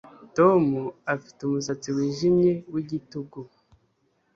Tom afite umusatsi wijimye wigitugu